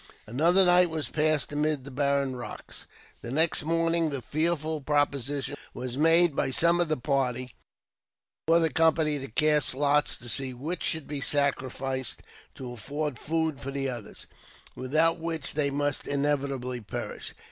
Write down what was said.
" Another night was passed amid the barren rocks. The next morning, the fearful proposition was made by some of the party for the company to cast lots, to see which should be sacrificed to afford food for the others, without which they must inevitably perish.